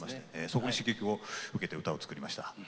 そこに刺激を受けて歌を作りました。